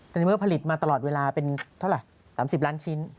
ตอนนี้พาลิตมาตลอดเวลาเป็นเท่าไหร่๓๐ล้านชิ้น